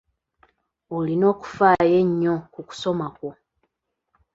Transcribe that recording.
Olina okufaayo ennyo ku kusoma kwo.